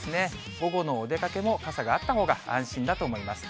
午後のお出かけも傘があったほうが安心だと思います。